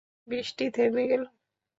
বৃষ্টি থেমে গেলো।